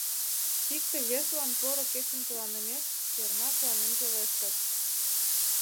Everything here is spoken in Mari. Икте-весылан поро кечым тыланымек, Йорма куанен пелештыш: